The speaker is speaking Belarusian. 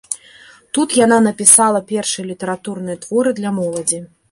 Тут яна напіала першыя літаратурныя творы для моладзі.